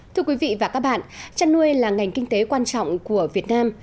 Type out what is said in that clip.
thưa quý vị và các bạn chăn nuôi là ngành kinh tế quan trọng của việt nam